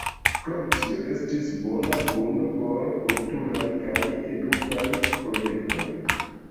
Krom tio estis bona grundo por kulturaj kaj edukaj projektoj.